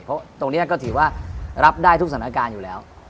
เพราะตรงนี้ก็ถือว่ารับได้ทุกสถานการณ์อยู่แล้ว